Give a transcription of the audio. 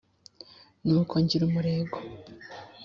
nuko ngira umurego